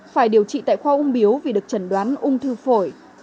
phải điều trị tại khoa ung biếu vì được chẩn đoán ung thư phổi